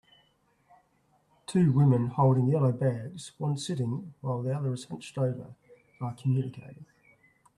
Two women holding yellow bags, one sitting while the other is hunched over are communicating.